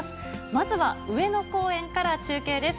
まずは上野公園から中継です。